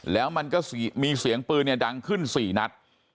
แล้วมันก็มีเสียงปืนเนี่ยดังขึ้น๔นัด